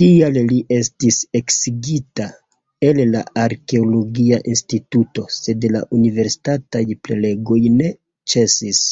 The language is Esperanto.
Tial li estis eksigita el la arkeologia instituto, sed la universitataj prelegoj ne ĉesis.